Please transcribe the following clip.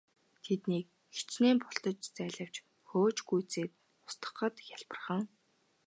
Тэднийг хэчнээн бултаж зайлавч хөөж гүйцээд устгахад хялбархан.